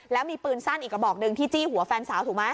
แล้วมีปืนสั้นอีกกระบอกหนึ่งที่จี้หัวแฟนสาวถูกไหม